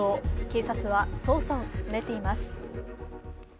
警察は捜査を進めています。